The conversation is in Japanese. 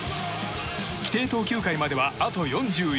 規定投球回までは、あと４１。